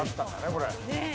これ。